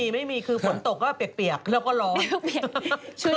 ไม่มีคือฝนตกก็เปียกแล้วก็ร้อนเปียก